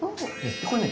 これをね